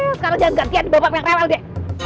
sekarang jangan gantian di bawah yang rewel deh